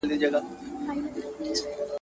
ړانده ته شپه او ورځ يوه ده.